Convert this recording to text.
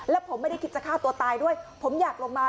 แล้วผมไม่ได้คิดจะฆ่าตัวตายด้วยผมอยากลงมา